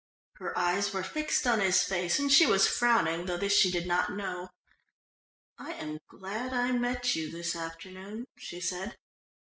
Her eyes were fixed on his face, and she was frowning, though this she did not know. "I am glad I met you this afternoon," she said.